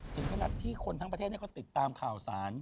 ถึงขนาดที่คนทั้งประเทศเขาติดตามข่าวสาร